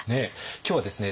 今日はですね